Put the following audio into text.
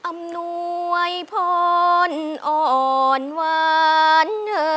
อำนวยพรอ่อนหวาน